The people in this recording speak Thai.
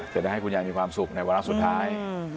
จะได้ให้คุณยายมีความสุขในวาระสุดท้าย